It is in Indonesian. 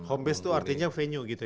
home base itu artinya venue gitu ya